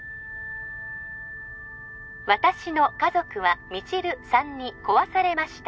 私の家族は未知留さんに壊されました